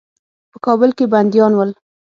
په کابل کې بندیان ول.